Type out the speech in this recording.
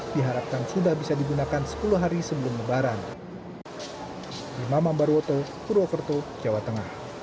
diharapkan sudah bisa digunakan sepuluh hari sebelum lebaran